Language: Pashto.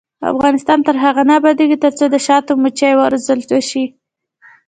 افغانستان تر هغو نه ابادیږي، ترڅو د شاتو مچۍ وروزل نشي.